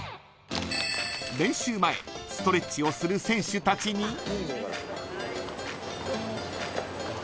［練習前ストレッチをする選手たちに］